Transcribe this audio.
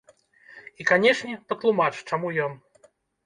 І канешне, патлумач, чаму ён.